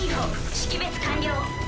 識別完了。